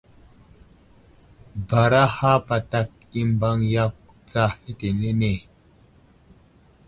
Baraha patak i mbaŋ yakw tsa fetenene.